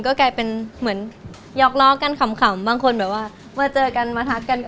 ก็กลายเป็นเหมือนยอกล้อกันขำบางคนแบบว่ามาเจอกันมาทักกัน